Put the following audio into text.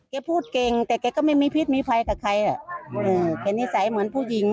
แกพูดเก่งแต่แกก็ไม่มีพิษมีภัยกับใครอ่ะอืมแค่นิสัยเหมือนผู้หญิงอะไร